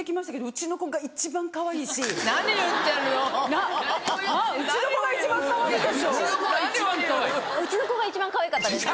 うちの子が一番かわいかったです。